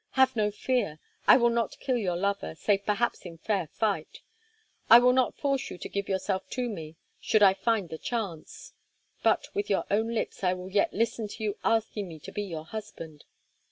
Have no fear, I will not kill your lover, save perhaps in fair fight; I will not force you to give yourself to me, should I find the chance, but with your own lips I will yet listen to you asking me to be your husband.